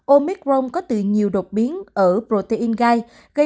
omicron có từ nhiều đột biến ở protein gai gây quan ngại